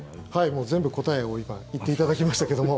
もう全部、答えを今言っていただきましたけども。